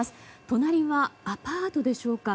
隣がアパートでしょうか。